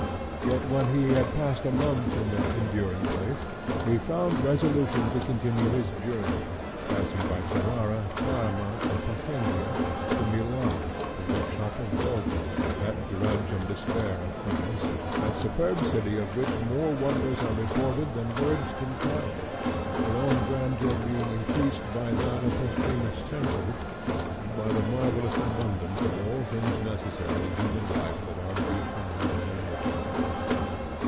Yet when he had passed a month in that enchanting place, he found resolution to continue his journey, passing by Ferrara, Parma, and Placentia, to Milan, that workshop of Vulcan—that grudge and despair of France—that superb city of which more wonders are reported than words can tell, her own grandeur being increased by that of her famous Temple, and by the marvellous abundance of all things necessary to human life that are to be found therein.